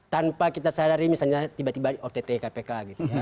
tanpa kita sadari misalnya tiba tiba ott kpk gitu ya